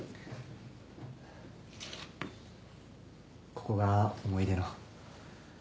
ここが思い出の？